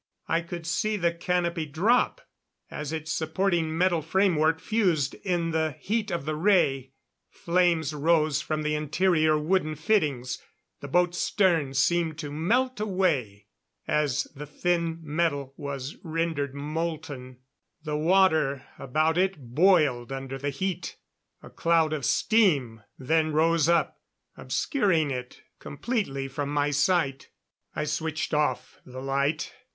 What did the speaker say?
I could see the canopy drop as its supporting metal framework fused in the heat of the ray; flames rose from the interior wooden fittings; the boat's stern seemed to melt away as the thin metal was rendered molten; the water about it boiled under the heat. A cloud of steam then rose up, obscuring it completely from my sight. I switched off the light.